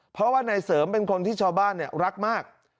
เพราะว่านายเสริมเป็นคนที่ชาวบ้านรักมาก